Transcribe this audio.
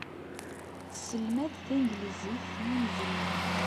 Tesselmad tanglizit i yimezrawen.